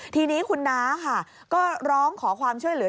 ทีนี้คุณน้าค่ะก็ร้องขอความช่วยเหลือ